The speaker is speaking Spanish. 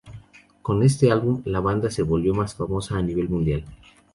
Con este álbum, la banda se volvió más famosa a nivel mundial.